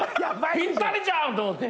ぴったりじゃん！と思って。